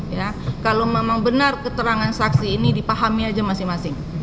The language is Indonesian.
ya kalau memang benar keterangan saksi ini dipahami aja masing masing